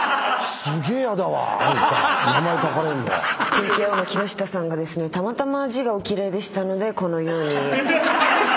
ＴＫＯの木下さんがたまたま字がお奇麗でしたのでこのように。